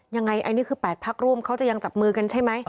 ยังไงอันนี้คือ๘พักร่วมเขาจะยังจับมือกันใช่ไหม